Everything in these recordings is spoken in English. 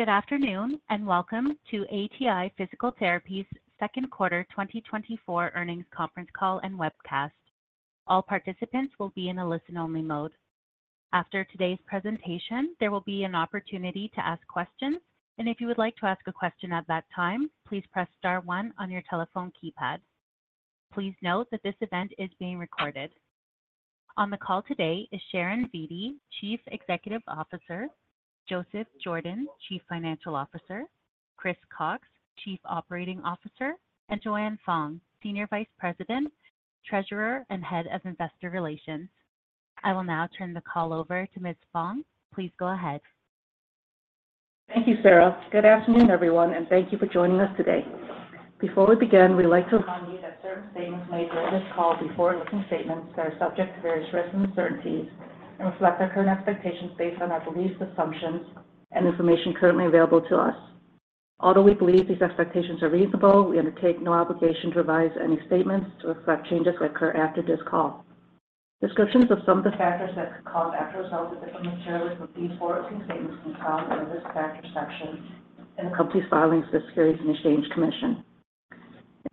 Good afternoon and welcome to ATI Physical Therapy's second quarter 2024 earnings conference call and webcast. All participants will be in a listen-only mode. After today's presentation, there will be an opportunity to ask questions, and if you would like to ask a question at that time, please press star one on your telephone keypad. Please note that this event is being recorded. On the call today is Sharon Vitti, Chief Executive Officer, Joseph Jordan, Chief Financial Officer, Chris Cox, Chief Operating Officer, and Joanne Fong, Senior Vice President, Treasurer and Head of Investor Relations. I will now turn the call over to Ms. Fong. Please go ahead. Thank you, Sarah. Good afternoon, everyone, and thank you for joining us today. Before we begin, we'd like to inform you that certain statements made during this call are forward-looking statements subject to various risks and uncertainties and reflect our current expectations based on our beliefs, assumptions, and information currently available to us. Although we believe these expectations are reasonable, we undertake no obligation to revise any statements to reflect changes that occur after this call. Descriptions of some of the factors that could cause actual results to differ materially from the forward-looking statements can be found under the risk factor section in the company's filings with the Securities and Exchange Commission.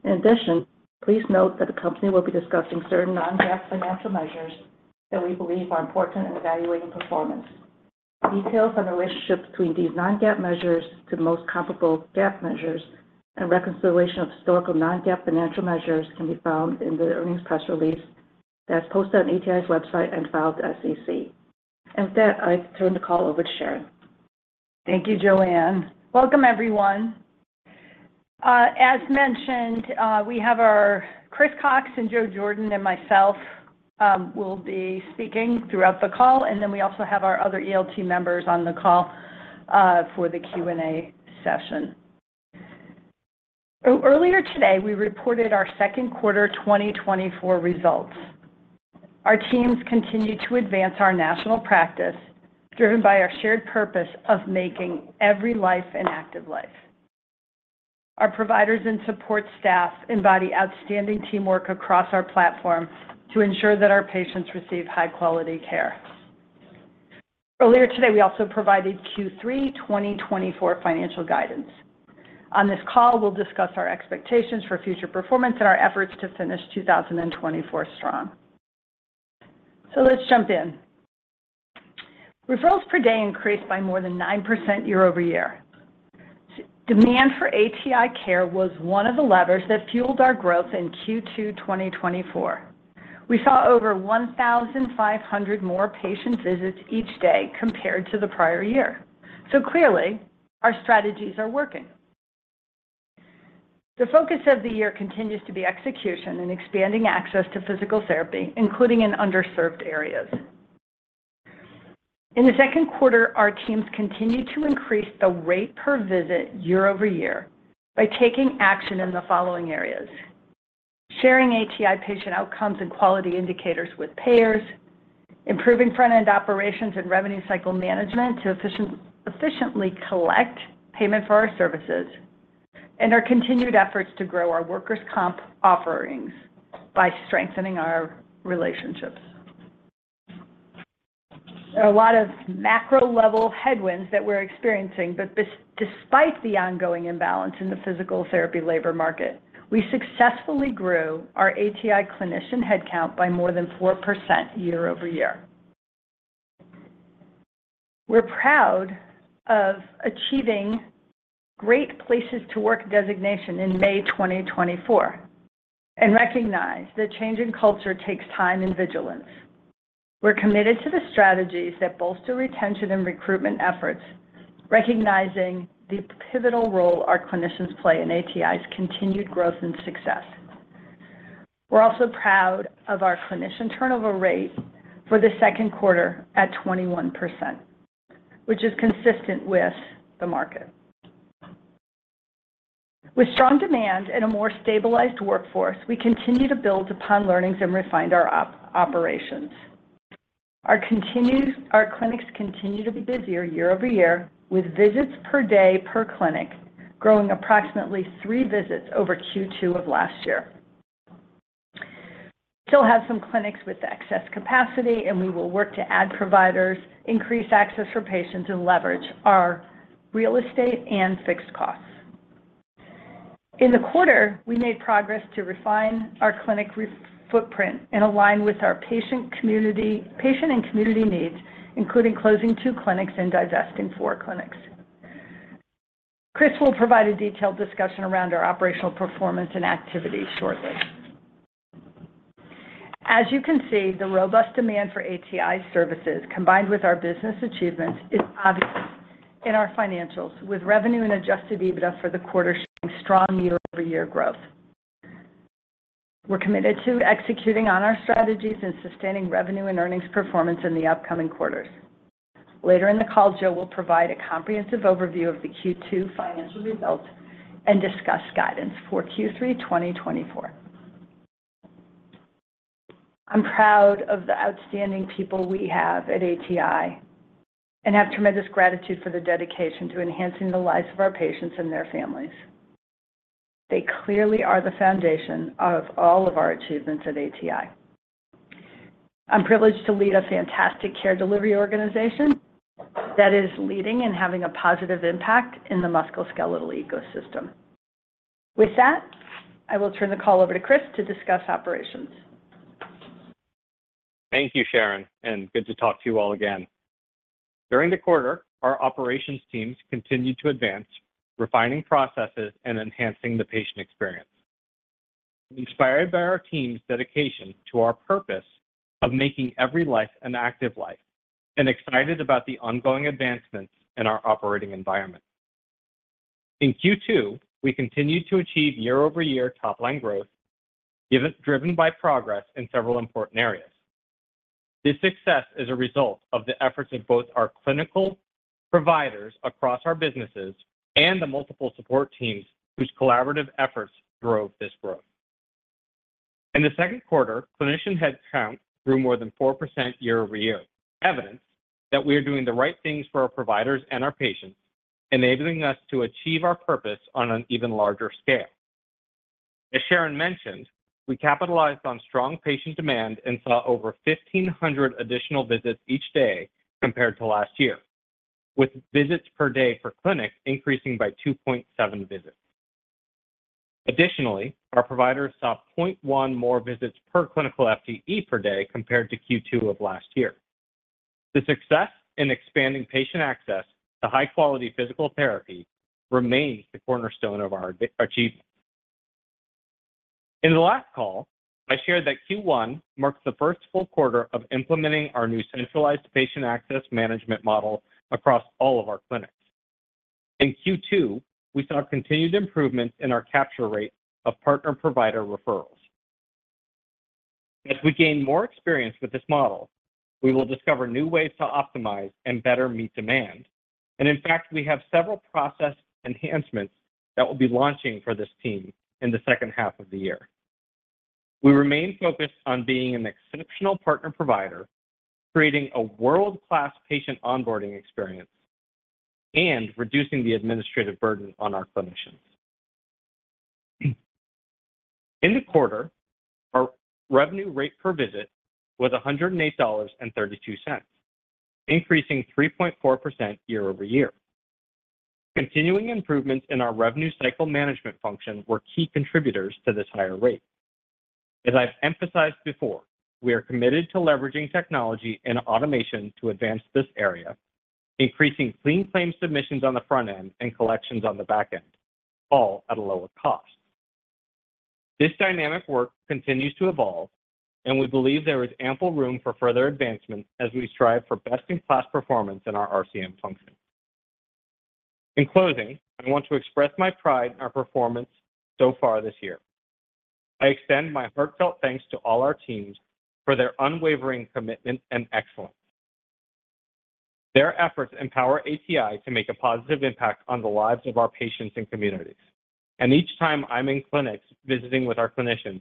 In addition, please note that the company will be discussing certain non-GAAP financial measures that we believe are important in evaluating performance. Details on the relationship between these non-GAAP measures to the most comparable GAAP measures and reconciliation of historical non-GAAP financial measures can be found in the earnings press release that's posted on ATI's website and filed at SEC. With that, I turn the call over to Sharon. Thank you, Joanne. Welcome, everyone. As mentioned, we have our Chris Cox and Joe Jordan and myself will be speaking throughout the call, and then we also have our other ELT members on the call for the Q&A session. Earlier today, we reported our second quarter 2024 results. Our teams continue to advance our national practice, driven by our shared purpose of making every life an active life. Our providers and support staff embody outstanding teamwork across our platform to ensure that our patients receive high-quality care. Earlier today, we also provided Q3 2024 financial guidance. On this call, we'll discuss our expectations for future performance and our efforts to finish 2024 strong. So let's jump in. Referrals per day increased by more than 9% year-over-year. Demand for ATI care was one of the levers that fueled our growth in Q2 2024. We saw over 1,500 more patient visits each day compared to the prior year. So clearly, our strategies are working. The focus of the year continues to be execution and expanding access to physical therapy, including in underserved areas. In the second quarter, our teams continued to increase the rate per visit year-over-year by taking action in the following areas: sharing ATI patient outcomes and quality indicators with payers, improving front-end operations and revenue cycle management to efficiently collect payment for our services, and our continued efforts to grow our workers' comp offerings by strengthening our relationships. There are a lot of macro-level headwinds that we're experiencing, but despite the ongoing imbalance in the physical therapy labor market, we successfully grew our ATI clinician headcount by more than 4% year-over-year. We're proud of achieving Great Place to Work designation in May 2024 and recognize that change in culture takes time and vigilance. We're committed to the strategies that bolster retention and recruitment efforts, recognizing the pivotal role our clinicians play in ATI's continued growth and success. We're also proud of our clinician turnover rate for the second quarter at 21%, which is consistent with the market. With strong demand and a more stabilized workforce, we continue to build upon learnings and refine our operations. Our clinics continue to be busier year-over-year, with visits per day per clinic growing approximately three visits over Q2 of last year. We still have some clinics with excess capacity, and we will work to add providers, increase access for patients, and leverage our real estate and fixed costs. In the quarter, we made progress to refine our clinic footprint and align with our patient and community needs, including closing two clinics and divesting four clinics. Chris will provide a detailed discussion around our operational performance and activities shortly. As you can see, the robust demand for ATI services, combined with our business achievements, is obvious in our financials, with revenue and Adjusted EBITDA for the quarter showing strong year-over-year growth. We're committed to executing on our strategies and sustaining revenue and earnings performance in the upcoming quarters. Later in the call, Joe will provide a comprehensive overview of the Q2 financial results and discuss guidance for Q3 2024. I'm proud of the outstanding people we have at ATI and have tremendous gratitude for their dedication to enhancing the lives of our patients and their families. They clearly are the foundation of all of our achievements at ATI. I'm privileged to lead a fantastic care delivery organization that is leading and having a positive impact in the musculoskeletal ecosystem. With that, I will turn the call over to Chris to discuss operations. Thank you, Sharon, and good to talk to you all again. During the quarter, our operations teams continued to advance, refining processes, and enhancing the patient experience, inspired by our team's dedication to our purpose of making every life an active life and excited about the ongoing advancements in our operating environment. In Q2, we continued to achieve year-over-year top-line growth, driven by progress in several important areas. This success is a result of the efforts of both our clinical providers across our businesses and the multiple support teams whose collaborative efforts drove this growth. In the second quarter, clinician headcount grew more than 4% year-over-year, evidence that we are doing the right things for our providers and our patients, enabling us to achieve our purpose on an even larger scale. As Sharon mentioned, we capitalized on strong patient demand and saw over 1,500 additional visits each day compared to last year, with visits per day per clinic increasing by 2.7 visits. Additionally, our providers saw 0.1 more visits per clinical FTE per day compared to Q2 of last year. The success in expanding patient access to high-quality physical therapy remains the cornerstone of our achievements. In the last call, I shared that Q1 marked the first full quarter of implementing our new centralized patient access management model across all of our clinics. In Q2, we saw continued improvements in our capture rate of partner provider referrals. As we gain more experience with this model, we will discover new ways to optimize and better meet demand. And in fact, we have several process enhancements that we'll be launching for this team in the second half of the year. We remain focused on being an exceptional partner provider, creating a world-class patient onboarding experience, and reducing the administrative burden on our clinicians. In the quarter, our revenue rate per visit was $108.32, increasing 3.4% year-over-year. Continuing improvements in our revenue cycle management function were key contributors to this higher rate. As I've emphasized before, we are committed to leveraging technology and automation to advance this area, increasing clean claim submissions on the front end and collections on the back end, all at a lower cost. This dynamic work continues to evolve, and we believe there is ample room for further advancement as we strive for best-in-class performance in our RCM function. In closing, I want to express my pride in our performance so far this year. I extend my heartfelt thanks to all our teams for their unwavering commitment and excellence. Their efforts empower ATI to make a positive impact on the lives of our patients and communities. Each time I'm in clinics visiting with our clinicians,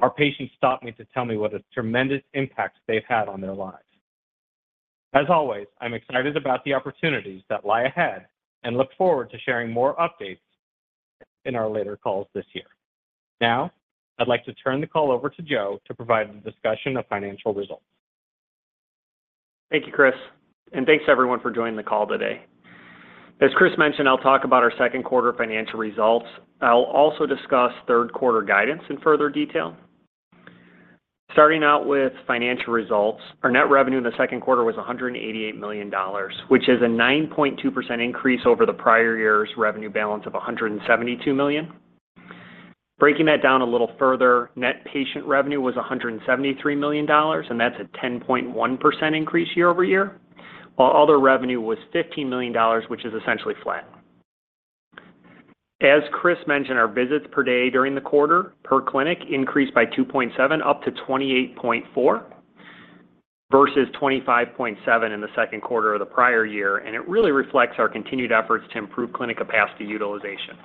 our patients stop me to tell me what a tremendous impact they've had on their lives. As always, I'm excited about the opportunities that lie ahead and look forward to sharing more updates in our later calls this year. Now, I'd like to turn the call over to Joe to provide a discussion of financial results. Thank you, Chris. And thanks, everyone, for joining the call today. As Chris mentioned, I'll talk about our second quarter financial results. I'll also discuss third quarter guidance in further detail. Starting out with financial results, our net revenue in the second quarter was $188 million, which is a 9.2% increase over the prior year's revenue balance of $172 million. Breaking that down a little further, net patient revenue was $173 million, and that's a 10.1% increase year-over-year, while other revenue was $15 million, which is essentially flat. As Chris mentioned, our visits per day during the quarter per clinic increased by 2.7, up to 28.4 versus 25.7 in the second quarter of the prior year, and it really reflects our continued efforts to improve clinic capacity utilization.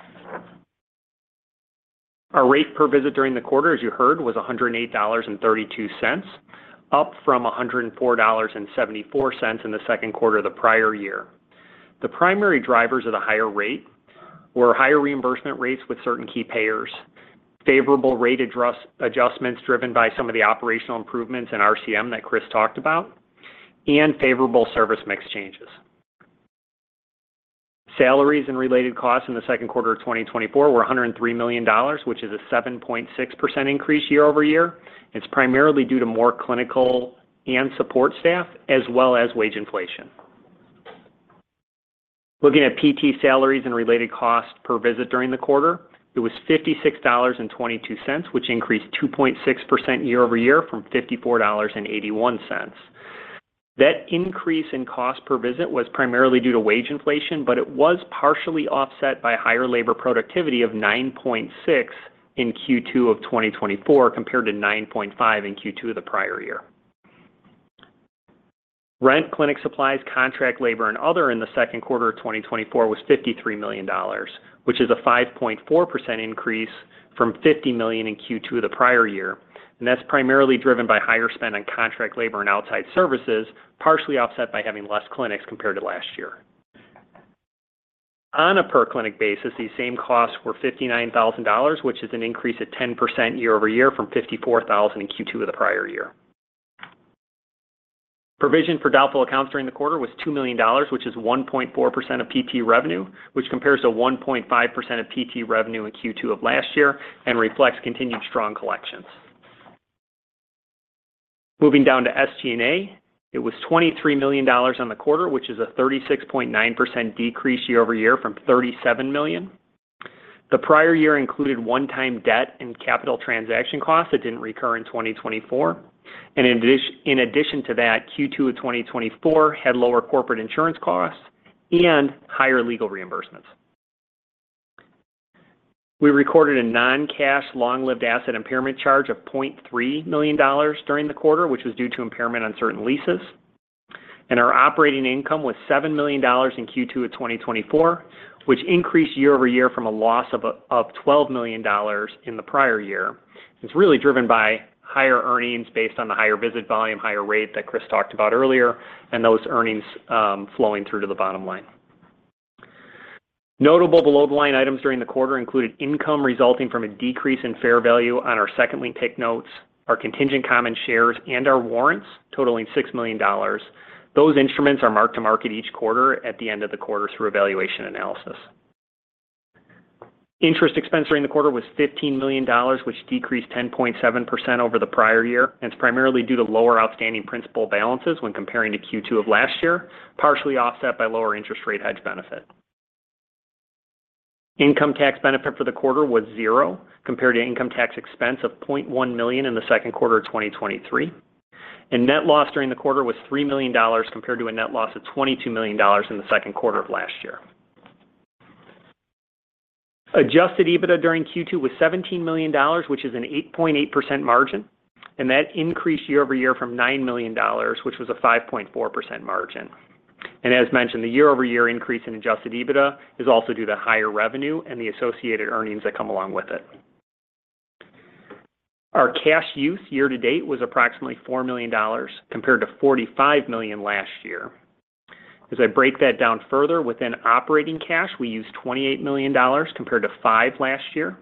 Our rate per visit during the quarter, as you heard, was $108.32, up from $104.74 in the second quarter of the prior year. The primary drivers of the higher rate were higher reimbursement rates with certain key payers, favorable rate adjustments driven by some of the operational improvements in RCM that Chris talked about, and favorable service mix changes. Salaries and related costs in the second quarter of 2024 were $103 million, which is a 7.6% increase year-over-year. It's primarily due to more clinical and support staff, as well as wage inflation. Looking at PT salaries and related costs per visit during the quarter, it was $56.22, which increased 2.6% year-over-year from $54.81. That increase in cost per visit was primarily due to wage inflation, but it was partially offset by higher labor productivity of 9.6 in Q2 of 2024 compared to 9.5 in Q2 of the prior year. Rent, clinic supplies, contract labor, and other in the second quarter of 2024 was $53 million, which is a 5.4% increase from $50 million in Q2 of the prior year. That's primarily driven by higher spend on contract labor and outside services, partially offset by having less clinics compared to last year. On a per clinic basis, these same costs were $59,000, which is an increase of 10% year-over-year from $54,000 in Q2 of the prior year. Provision for doubtful accounts during the quarter was $2 million, which is 1.4% of PT revenue, which compares to 1.5% of PT revenue in Q2 of last year and reflects continued strong collections. Moving down to SG&A, it was $23 million on the quarter, which is a 36.9% decrease year-over-year from $37 million. The prior year included one-time debt and capital transaction costs that didn't recur in 2024. In addition to that, Q2 of 2024 had lower corporate insurance costs and higher legal reimbursements. We recorded a non-cash long-lived asset impairment charge of $0.3 million during the quarter, which was due to impairment on certain leases. Our operating income was $7 million in Q2 of 2024, which increased year-over-year from a loss of $12 million in the prior year. It's really driven by higher earnings based on the higher visit volume, higher rate that Chris talked about earlier, and those earnings flowing through to the bottom line. Notable below-the-line items during the quarter included income resulting from a decrease in fair value on our PIK notes, our contingent common shares, and our warrants totaling $6 million. Those instruments are marked to market each quarter at the end of the quarter through valuation analysis. Interest expense during the quarter was $15 million, which decreased 10.7% over the prior year. It's primarily due to lower outstanding principal balances when comparing to Q2 of last year, partially offset by lower interest rate hedge benefit. Income tax benefit for the quarter was zero compared to income tax expense of $0.1 million in the second quarter of 2023. Net loss during the quarter was $3 million compared to a net loss of $22 million in the second quarter of last year. Adjusted EBITDA during Q2 was $17 million, which is an 8.8% margin, and that increased year-over-year from $9 million, which was a 5.4% margin. As mentioned, the year-over-year increase in adjusted EBITDA is also due to higher revenue and the associated earnings that come along with it. Our cash use year to date was approximately $4 million compared to $45 million last year. As I break that down further, within operating cash, we used $28 million compared to $5 million last year.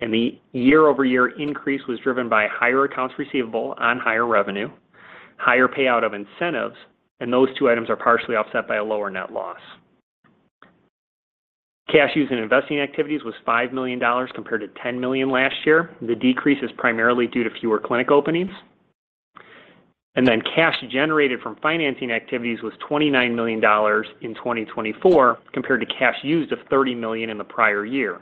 The year-over-year increase was driven by higher accounts receivable on higher revenue, higher payout of incentives, and those two items are partially offset by a lower net loss. Cash use in investing activities was $5 million compared to $10 million last year. The decrease is primarily due to fewer clinic openings. Then cash generated from financing activities was $29 million in 2024 compared to cash used of $30 million in the prior year.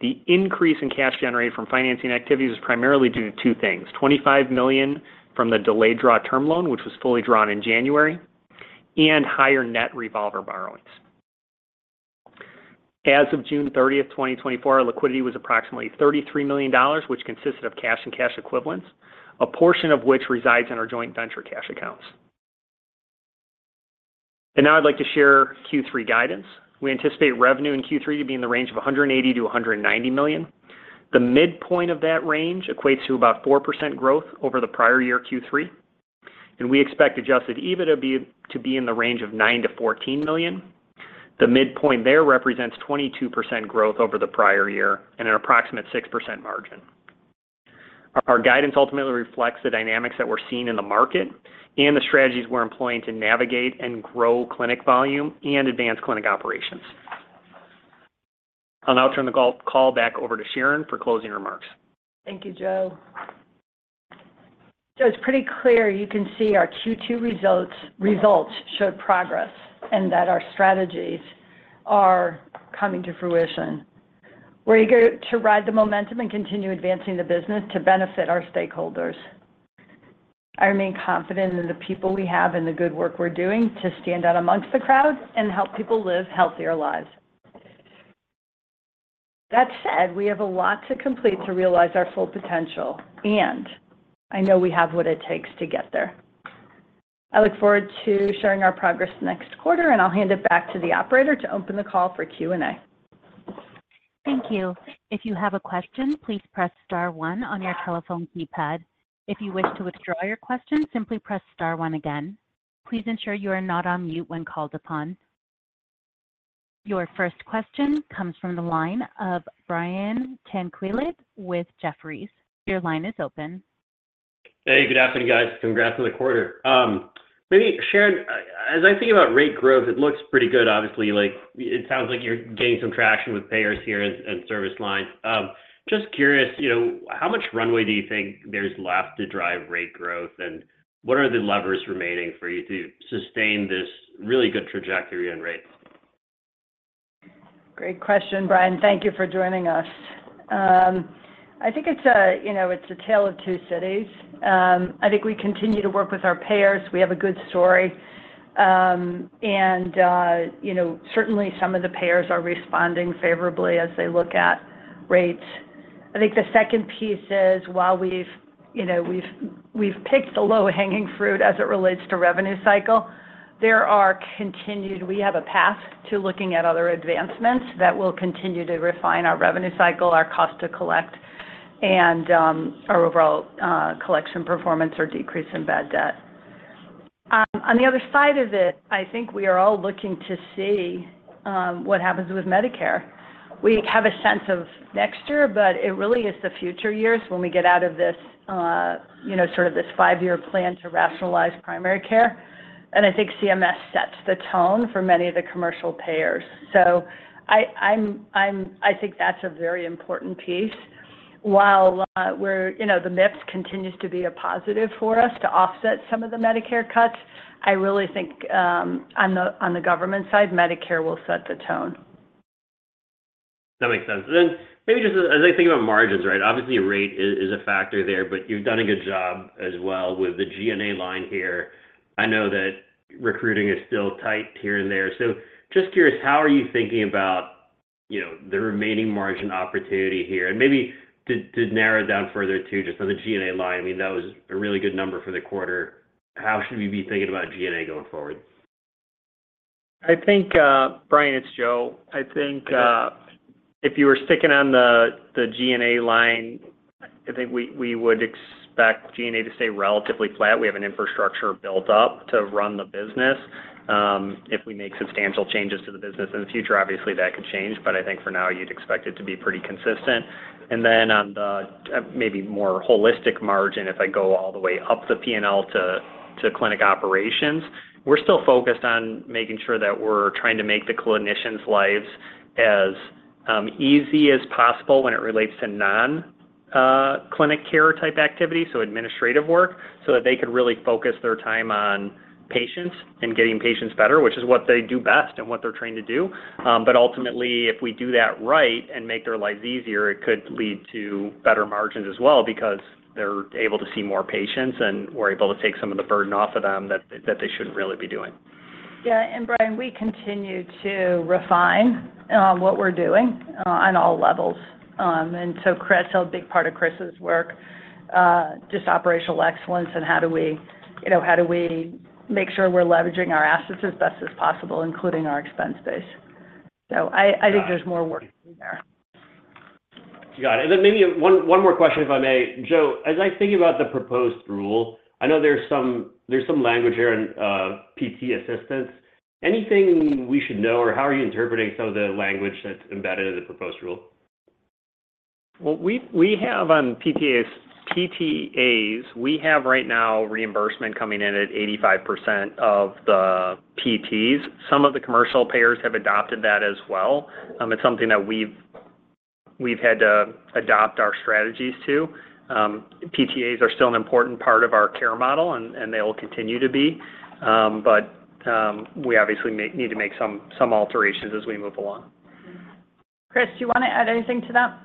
The increase in cash generated from financing activities was primarily due to two things: $25 million from the delayed draw term loan, which was fully drawn in January, and higher net revolver borrowings. As of June 30th, 2024, liquidity was approximately $33 million, which consisted of cash and cash equivalents, a portion of which resides in our joint venture cash accounts. Now I'd like to share Q3 guidance. We anticipate revenue in Q3 to be in the range of $180 million-$190 million. The midpoint of that range equates to about 4% growth over the prior year Q3. We expect Adjusted EBITDA to be in the range of $9 million-$14 million. The midpoint there represents 22% growth over the prior year and an approximate 6% margin. Our guidance ultimately reflects the dynamics that we're seeing in the market and the strategies we're employing to navigate and grow clinic volume and advance clinic operations. I'll now turn the call back over to Sharon for closing remarks. Thank you, Joe. It's pretty clear you can see our Q2 results showed progress and that our strategies are coming to fruition. We're eager to ride the momentum and continue advancing the business to benefit our stakeholders. I remain confident in the people we have and the good work we're doing to stand out amongst the crowd and help people live healthier lives. That said, we have a lot to complete to realize our full potential, and I know we have what it takes to get there. I look forward to sharing our progress next quarter, and I'll hand it back to the operator to open the call for Q&A. Thank you. If you have a question, please press star one on your telephone keypad. If you wish to withdraw your question, simply press star one again. Please ensure you are not on mute when called upon. Your first question comes from the line of Brian Tanquilut with Jefferies. Your line is open. Hey, good afternoon, guys. Congrats on the quarter. Maybe Sharon, as I think about rate growth, it looks pretty good, obviously. It sounds like you're getting some traction with payers here and service lines. Just curious, how much runway do you think there's left to drive rate growth, and what are the levers remaining for you to sustain this really good trajectory in rates? Great question, Brian. Thank you for joining us. I think it's a tale of two cities. I think we continue to work with our payers. We have a good story. And certainly, some of the payers are responding favorably as they look at rates. I think the second piece is, while we've picked the low-hanging fruit as it relates to revenue cycle, there are continued—we have a path to looking at other advancements that will continue to refine our revenue cycle, our cost to collect, and our overall collection performance or decrease in bad debt. On the other side of it, I think we are all looking to see what happens with Medicare. We have a sense of next year, but it really is the future years when we get out of this sort of this five-year plan to rationalize primary care. I think CMS sets the tone for many of the commercial payers. I think that's a very important piece. While the MIPS continues to be a positive for us to offset some of the Medicare cuts, I really think on the government side, Medicare will set the tone. That makes sense. And then maybe just as I think about margins, right? Obviously, rate is a factor there, but you've done a good job as well with the G&A line here. I know that recruiting is still tight here and there. So just curious, how are you thinking about the remaining margin opportunity here? And maybe to narrow it down further too, just on the G&A line, I mean, that was a really good number for the quarter. How should we be thinking about G&A going forward? I think, Brian, it's Joe. I think if you were sticking on the G&A line, I think we would expect G&A to stay relatively flat. We have an infrastructure built up to run the business. If we make substantial changes to the business in the future, obviously, that could change. But I think for now, you'd expect it to be pretty consistent. And then on the maybe more holistic margin, if I go all the way up the P&L to clinic operations, we're still focused on making sure that we're trying to make the clinicians' lives as easy as possible when it relates to non-clinic care type activity, so administrative work, so that they could really focus their time on patients and getting patients better, which is what they do best and what they're trained to do. But ultimately, if we do that right and make their lives easier, it could lead to better margins as well because they're able to see more patients and we're able to take some of the burden off of them that they shouldn't really be doing. Yeah. And Brian, we continue to refine what we're doing on all levels. And so Chris, a big part of Chris's work, just operational excellence and how do we make sure we're leveraging our assets as best as possible, including our expense base. So I think there's more work to do there. Got it. And then maybe one more question, if I may. Joe, as I think about the proposed rule, I know there's some language here on PT assistant. Anything we should know, or how are you interpreting some of the language that's embedded in the proposed rule? Well, we have on PTAs, we have right now reimbursement coming in at 85% of the PTs. Some of the commercial payers have adopted that as well. It's something that we've had to adopt our strategies to. PTAs are still an important part of our care model, and they will continue to be. But we obviously need to make some alterations as we move along. Chris, do you want to add anything to that?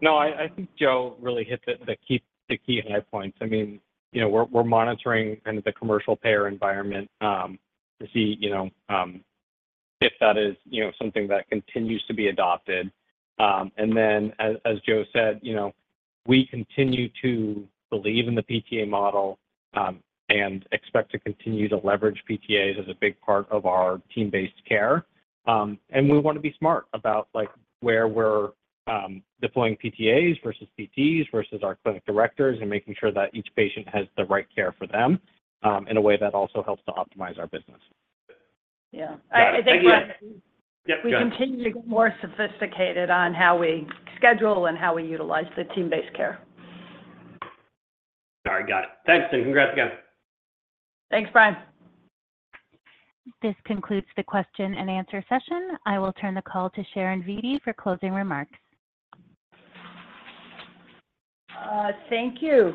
No, I think Joe really hit the key high points. I mean, we're monitoring kind of the commercial payer environment to see if that is something that continues to be adopted. And then, as Joe said, we continue to believe in the PTA model and expect to continue to leverage PTAs as a big part of our team-based care. And we want to be smart about where we're deploying PTAs versus PTs versus our clinic directors and making sure that each patient has the right care for them in a way that also helps to optimize our business. Yeah. I think we continue to get more sophisticated on how we schedule and how we utilize the team-based care. All right. Got it. Thanks. And congrats again. Thanks, Brian. This concludes the question and answer session. I will turn the call to Sharon Vitti for closing remarks. Thank you.